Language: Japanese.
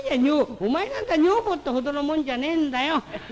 お前なんざ女房ってほどのもんじゃねえんだよ。